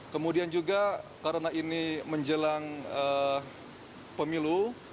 kemudian juga karena ini menjelang pemilu